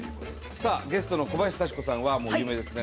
さあゲストの小林幸子さんはもう有名ですね。